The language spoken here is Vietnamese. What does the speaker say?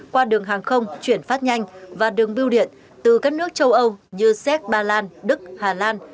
qua đường hàng không chuyển phát nhanh và đường biêu điện từ các nước châu âu như séc bà lan đức hà lan